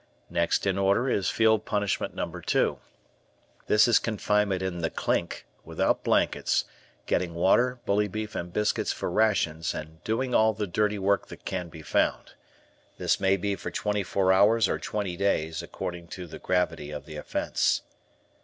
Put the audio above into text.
Next in order is Field Punishment No. 2. This is confinement in the "Clink," without blankets, getting water, bully beef, and biscuits for rations and doing all the dirty work that can be found. This may be for twenty four hours or twenty days, according to the gravity of the offence.